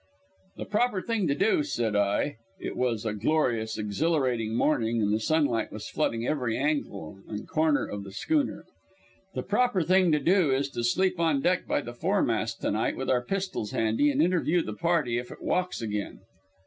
"The proper thing to do," said I it was a glorious, exhilarating morning, and the sunlight was flooding every angle and corner of the schooner "the proper thing to do is to sleep on deck by the foremast to night with our pistols handy and interview the party if it walks again."